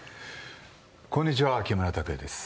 こんにちは、木村拓哉です。